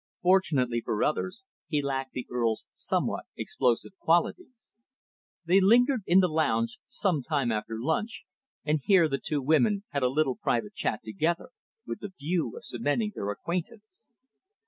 Fortunately for others, he lacked the Earl's somewhat explosive qualities. They lingered in the lounge some time after lunch, and here the two women had a little private chat together, with the view of cementing their acquaintance.